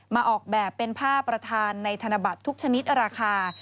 ออกแบบเป็นผ้าประธานในธนบัตรทุกชนิดราคา